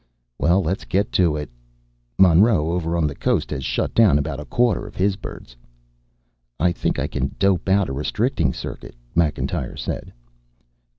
"Well, let's get to it. Monroe over on the Coast has shut down about a quarter of his birds." "I think I can dope out a restricting circuit," Macintyre said.